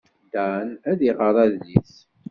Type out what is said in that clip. Dan ad iɣer adlis.